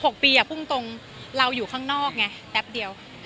หกปีอ่ะพรุ่งตรงเราอยู่ข้างนอกไงแป๊บเดียว